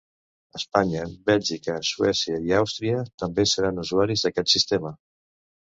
Espanya, Bèlgica, Suècia i Àustria també seran usuaris d'aquest sistema.